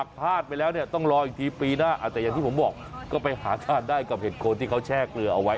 พลาดไปแล้วเนี่ยต้องรออีกทีปีหน้าอาจจะอย่างที่ผมบอกก็ไปหาทานได้กับเห็ดโคนที่เขาแช่เกลือเอาไว้